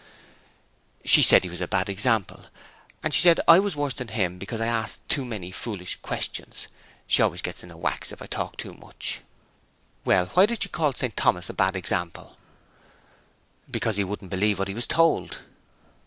'She said he was a bad example; and she said I was worse than him because I asked too many foolish questions. She always gets in a wax if I talk too much.' 'Well, why did she call St Thomas a bad example?' 'Because he wouldn't believe what he was told.'